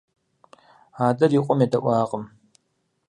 Адэр и къуэм едэӏуакъым.